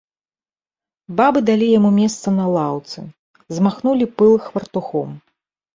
Бабы далі яму месца на лаўцы, змахнулі пыл хвартухом.